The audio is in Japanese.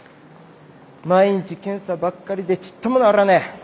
毎日検査ばっかりでちっとも治らねえ。